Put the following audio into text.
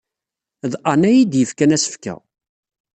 D Ann ay iyi-d-yefkan asefk-a.